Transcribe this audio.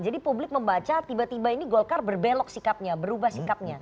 jadi publik membaca tiba tiba ini golkar berbelok sikapnya berubah sikapnya